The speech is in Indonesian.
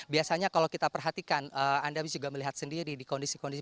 biasanya kalau kita perhatikan anda juga melihat sendiri di kondisi kondisi